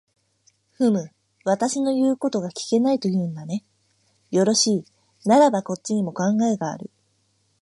ふむ、私の言うことが聞けないと言うんだね。よろしい、ならばこっちにも考えがある。